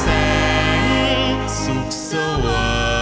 แสงสุขสว